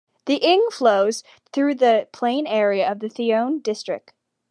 The Ing flows through the plain area of Thoeng District.